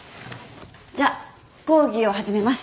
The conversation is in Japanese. じゃあ講義を始めます。